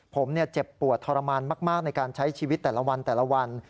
ผมเจ็บปวดทรมานมากในการใช้ชีวิตแต่ละวันแต่ละวัน